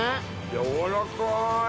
やわらかい！